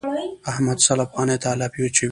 احمد سل افغانيو ته الاپی اچوي.